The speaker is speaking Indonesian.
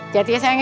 jati ya sayang ya